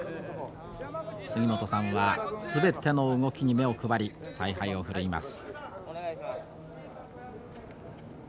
杉本さんは全ての動きに目を配り采配を振るいます。